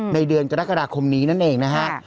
เดือนกรกฎาคมนี้นั่นเองนะฮะ